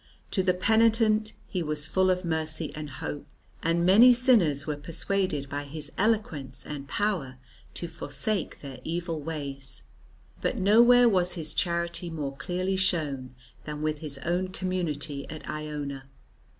To the penitent he was full of mercy and hope, and many sinners were persuaded by his eloquence and power to forsake their evil ways. But nowhere was his charity more clearly shown than with his own community at Iona.